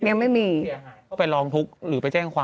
ยังไม่มีก็ไปร้องทุกข์หรือไปแจ้งความ